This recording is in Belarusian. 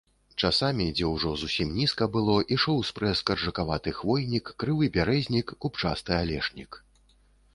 Часамі, дзе ўжо зусім нізка было, ішоў спрэс каржакаваты хвойнік, крывы бярэзнік, купчасты алешнік.